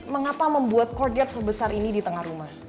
mengapa membuat cordier sebesar ini di tengah rumah